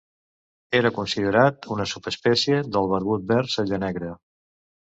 Era considerat una subespècie del barbut verd cellanegre.